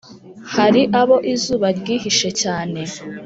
Hari abo izuba ryihishe cyane,